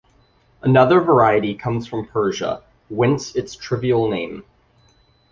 Another variety comes from Persia, whence its trivial name.